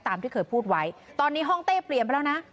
ที่เคยพูดไว้ตอนนี้ห้องเต้เปลี่ยนไปแล้วนะ